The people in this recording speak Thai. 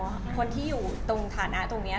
คนที่อยู่ตรงฐานะตรงนี้